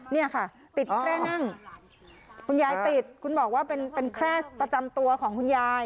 เนี่ยค่ะติดแค่นั่งคุณยายติดคุณบอกว่าเป็นแค่ประจำตัวของคุณยาย